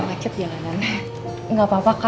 berasuzz terhad parking halt cua oke